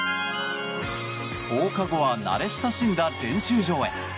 放課後は慣れ親しんだ練習場へ。